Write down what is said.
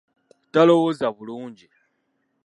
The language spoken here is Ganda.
Talowooza bulungi.